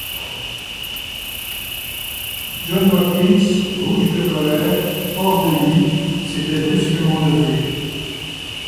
John Watkins, rouge de colère, hors de lui, s’était brusquement levé.